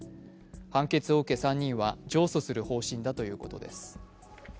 判決を受け３人は上訴する方針だということです。